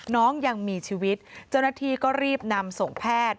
น้องยังมีชีวิตเจ้าหน้าที่ก็รีบนำส่งแพทย์